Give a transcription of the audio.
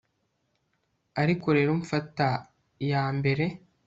Ariko rero mfata iyambere